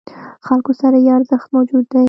خلکو سره یې ارزښت موجود دی.